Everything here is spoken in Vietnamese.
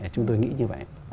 chúng tôi nghĩ như vậy